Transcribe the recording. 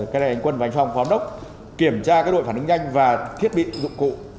cái này anh quân và anh phong phó đốc kiểm tra đội phản ứng nhanh và thiết bị dụng cụ